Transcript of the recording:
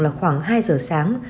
là khoảng hai giờ sáng